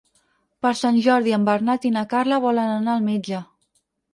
Per Sant Jordi en Bernat i na Carla volen anar al metge.